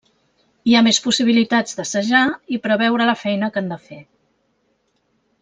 Hi ha més possibilitats d'assajar i preveure la feina que han de fer.